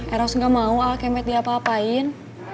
eros gak mau alkemet dia apa apain